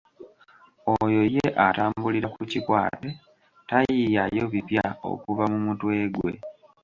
Oyo ye atambulira ku kikwate tayiiyaayo bipya okuva mu mutwe gwe.